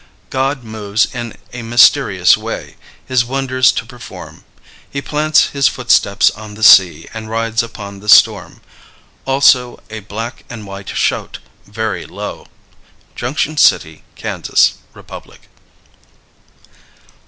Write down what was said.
'God moves in a mysterious way His wonders to perform; He plants His footsteps on the sea, and rides upon the storm'; also a black and white shote, very low." _Junction City (Kansas) Republic.